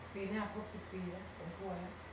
ปีหน้าครบ๑๐ปีแล้ว